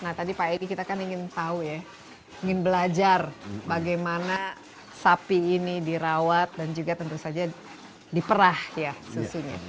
nah tadi pak edi kita kan ingin tahu ya ingin belajar bagaimana sapi ini dirawat dan juga tentu saja diperah ya susunya